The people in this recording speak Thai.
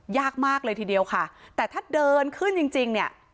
ยากมากเลยทีเดียวค่ะแต่ถ้าเดินขึ้นจริงจริงเนี่ย